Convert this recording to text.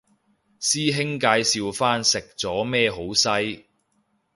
師兄介紹返食咗咩好西